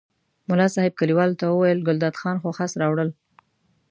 ملا صاحب کلیوالو ته وویل ګلداد خان خو خس راوړل.